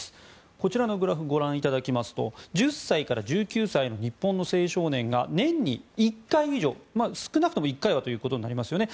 こちらのグラフご覧いただきますと１０歳から１９歳の日本の青少年が年に１回以上少なくとも１回はということになりますよね